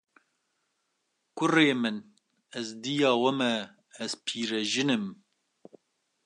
Kurê min, ez dêya we me, ez pîrejin im